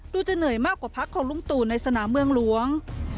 จะเหนื่อยมากกว่าพักของลุงตู่ในสนามเมืองหลวง